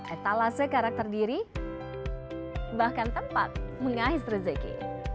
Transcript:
etalase karakter diri bahkan tempat mengais rezeki